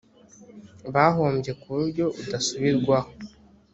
bahombye ku buryo budasubirwaho